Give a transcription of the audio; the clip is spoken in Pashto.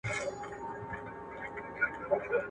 څېړنه په پوهنتون کي پای ته رسېږي.